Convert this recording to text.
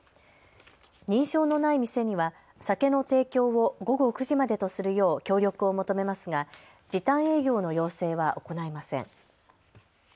認証のない店には酒の提供を午後９時までとするよう協力を求めますが時短営業の要請は行いません。